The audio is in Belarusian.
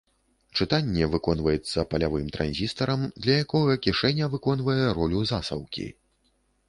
Чытанне выконваецца палявым транзістарам, для якога кішэня выконвае ролю засаўкі.